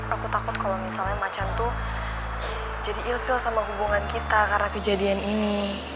aku takut kalau misalnya macan tuh jadi ilfield sama hubungan kita karena kejadian ini